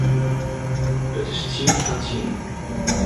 It is tsien foar tsienen.